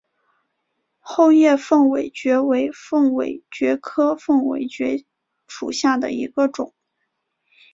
厚叶凤尾蕨为凤尾蕨科凤尾蕨属下的一个种。